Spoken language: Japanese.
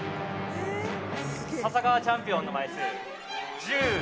笹川チャンピオンの枚数１２枚です。